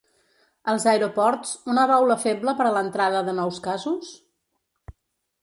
Els aeroports, una baula feble per a l’entrada de nous casos?